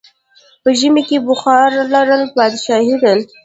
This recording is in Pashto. په ژمی کې بخارا لرل پادشاهي ده.